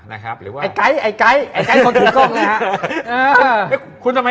ไอ้ไก๊ไอ้ไก๊คนถูกต้องนะ